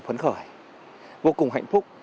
phấn khởi vô cùng hạnh phúc